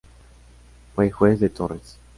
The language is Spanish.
Fue juez de Torres.